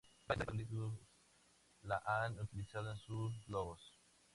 Varias universidades y partidos políticos la han utilizado en sus logos.